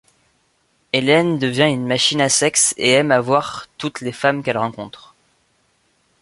Hélène devient une machine à sexe et aime avoir toutes les femmes qu'elle rencontre.